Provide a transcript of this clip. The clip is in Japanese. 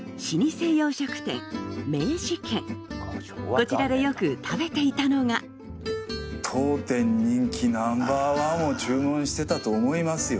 こちらでよく食べていたのが「当店人気Ｎｏ．１」を注文してたと思いますよ。